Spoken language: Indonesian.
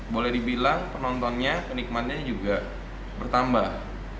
boleh dibilang penontonnya penikmatnya juga bertambah